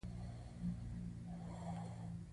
طبیعت ته درناوی وکړئ